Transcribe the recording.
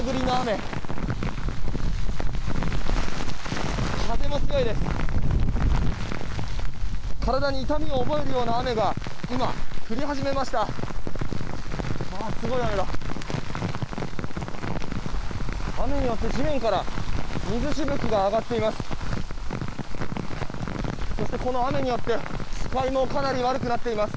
雨によって、地面から水しぶきが上がっています。